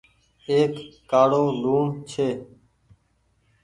ايڪ ڪآڙو لوڻ ڇي۔